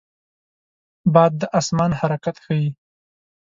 باد د آسمان حرکت ښيي